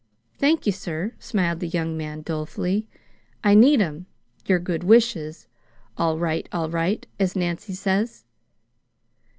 "Thank you, sir," smiled the young man dolefully. "I need 'em your good wishes all right, all right, as Nancy says."